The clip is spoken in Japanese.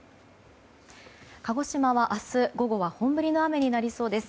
鹿児島は明日午後は本降りの雨になりそうです。